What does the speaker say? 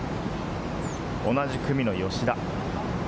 同じ組の吉田。